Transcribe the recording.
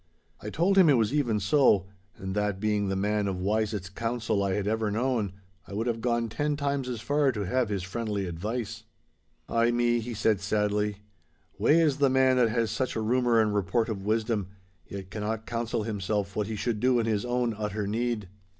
I told him it was even so, and that, being the man of wisest counsel I had ever known, I would have gone ten times as far to have his friendly advice. 'Ay me,' he said sadly, 'wae is the man that has such a rumour and report of wisdom, yet cannot counsel himself what he should do in his own utter need.